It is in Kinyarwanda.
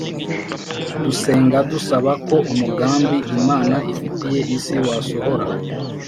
Dusenga dusaba ko umugambi Imana ifitiye isi wasohora